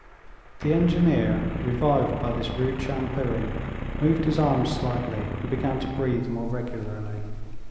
The engineer, revived by this rude shampooing, moved his arm slightly and began to breathe more regularly.